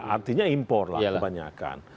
artinya impor lah kebanyakan